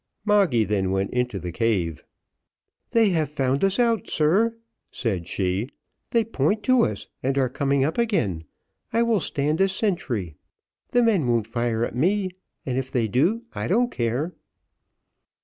Moggy then went into the cave. "They have found us out, sir," said she, "they point to us, and are coming up again. I will stand as sentry. The men won't fire at me, and if they do I don't care."